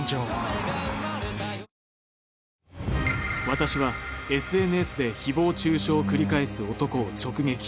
私はＳＮＳで誹謗中傷を繰り返す男を直撃。